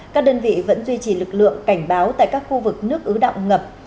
các đơn vị vẫn duy trì lực lượng cảnh báo tại các khu vực nước ứ động ngập